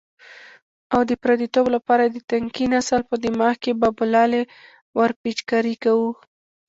او د پردیتوب لپاره یې د تنکي نسل په دماغ کې بابولالې ورپېچکاري کوو.